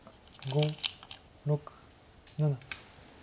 ５６７。